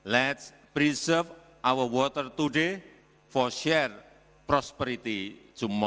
mari kita menjaga air kita hari ini untuk membagi keberhasilan besok